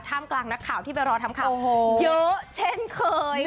กลางนักข่าวที่ไปรอทำข่าวเยอะเช่นเคย